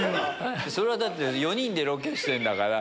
それはだって４人でロケしてんだから。